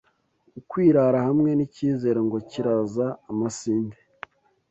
Ukwirara hamwe n’icyizere ngo kiraza amasinde